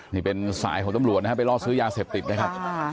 นี่เป็นสายของตำรวจนะครับไปล่อซื้อยาเสพติดนะครับ